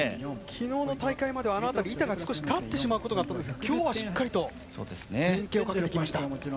昨日の大会まではあの辺り板が少し立ってしまうことがあったんですが、今日はしっかりと前傾をかけてきました。